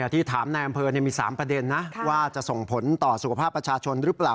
ที่ถามนายอำเภอมี๓ประเด็นนะว่าจะส่งผลต่อสุขภาพประชาชนหรือเปล่า